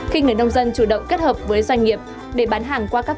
khi người nông dân chủ động kết hợp với doanh nghiệp để bán hàng qua các